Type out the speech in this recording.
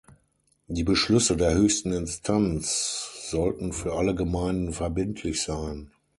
Die Beschlüsse der höchsten Instanz sollten für alle Gemeinden verbindlich sein.